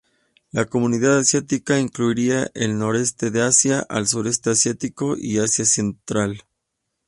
La Comunidad Asiática incluiría el Noreste de Asia, el Sureste asiático y Asia Central.